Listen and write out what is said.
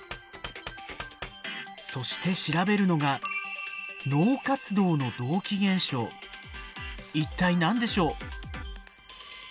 そして調べるのが一体何でしょう？